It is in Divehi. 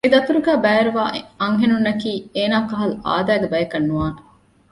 މި ދަތުރުގައި ބައިވެރިވާ އަންހެނުންނަކީ އޭނާ ކަހަލަ އާދައިގެ ބަޔަކަށް ނުވާނެ